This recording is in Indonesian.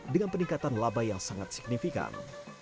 dengan peningkatan laba yang sangat signifikan